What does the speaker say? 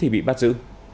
bị bắt giữ